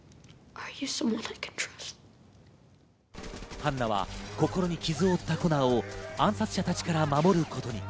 ハンナは心に傷を負ったコナーを暗殺者たちから守ることに。